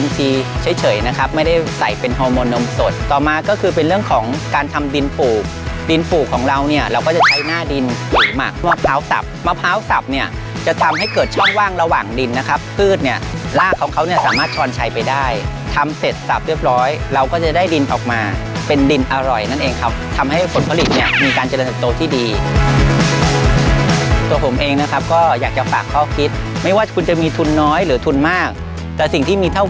สับมะพร้าวสับเนี้ยจะทำให้เกิดช่องว่างระหว่างดินนะครับพืชเนี้ยรากของเขาเนี้ยสามารถชวนใช้ไปได้ทำเสร็จสับเรียบร้อยเราก็จะได้ดินออกมาเป็นดินอร่อยนั่นเองครับทำให้ผลผลิตเนี้ยมีการเจริญเติบโตที่ดีตัวผมเองนะครับก็อยากจะฝากข้อคิดไม่ว่าคุณจะมีทุนน้อยหรือทุนมากแต่สิ่งที่มีเท่